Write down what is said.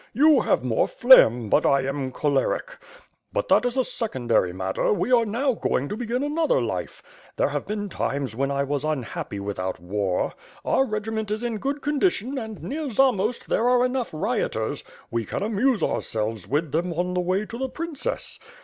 You have more phlegm, but I am choleric. But that is a secondary matter, we are now going to begin another life. There have been times when I was unhappy without war. Our regiment is in good condition and near Zamost there are enough rioters; we can amuse ourselves with them on the way to the princess.